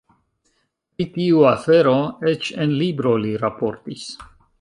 Pri tiu afero eĉ en libro li raportis.